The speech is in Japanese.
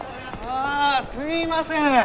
ああすいません。